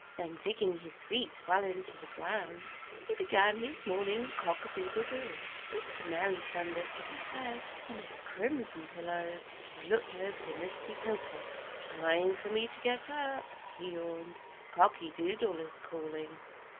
Then digging his feet well into the ground, he began his morning cock a doodle do. Mr. Merry Sun lifted his head from his crimson pillows and looked over the misty hilltop. "Time for me to get up," he yawned. "Cocky Doodle is calling."